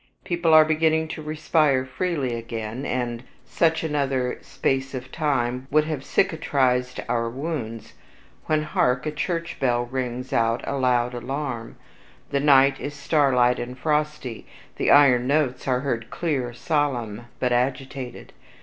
People are beginning to respire freely again; and such another space of time would have cicatrized our wounds when, hark! a church bell rings out a loud alarm; the night is starlight and frosty the iron notes are heard clear, solemn, but agitated.